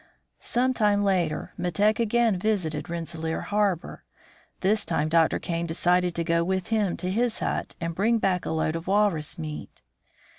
Some time later Metek again visited Rensselaer Harbor. This time Dr. Kane decided to go with him to his hut, and bring back a load of walrus meat.